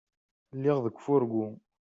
Lliɣ deg ufurgu.